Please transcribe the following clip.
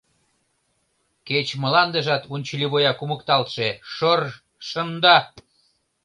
Кеч мландыжат унчыливуя кумыкталтше — шор... шында!..